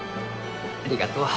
ありがとう。